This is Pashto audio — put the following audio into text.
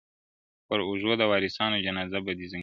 پر اوږو د وارثانو جنازه به دي زنګیږي!!